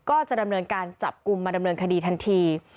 ก็จะดำเนินการจับกลุ่มมาดำเนินคดีทันที